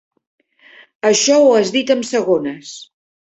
Això ho has dit amb segones.